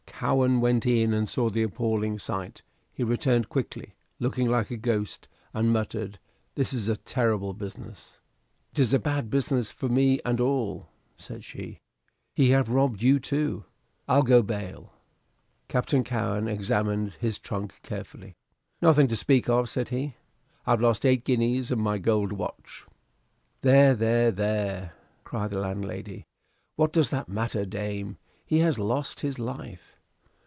Cowen went in and saw the appalling sight. He returned quickly, looking like a ghost, and muttered, "This is a terrible business." "It is a bad business for me and all," said she. "He have robbed you too, I'll go bail." Captain Cowen examined his trunk carefully. "Nothing to speak of," said he. "I've lost eight guineas and my gold watch." "There! there! there!" cried the landlady. "What does that matter, dame? He has lost his life."